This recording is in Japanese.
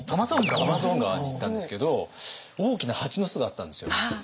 アマゾン川に行ったんですけど大きな蜂の巣があったんですよ。